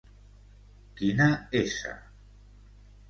Quina s